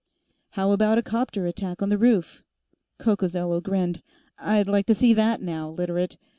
"How about a 'copter attack on the roof?" Coccozello grinned. "I'd like to see that, now, Literate.